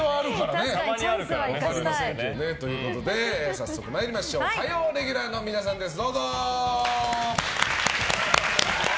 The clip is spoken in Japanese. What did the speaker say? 早速参りましょう火曜レギュラーの皆さんです！